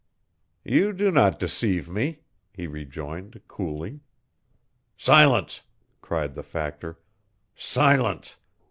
"You do not deceive me," he rejoined, coolly. "Silence!" cried the Factor. "Silence!